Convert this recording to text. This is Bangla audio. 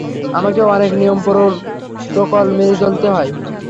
আমাকে অনেক নিয়ম-প্রটোকল মেনে চলতে হয়।